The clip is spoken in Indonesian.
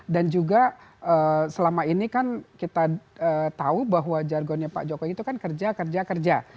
dan juga selama ini kan kita tahu bahwa jargonnya pak jokowi itu kan kerja kerja kerja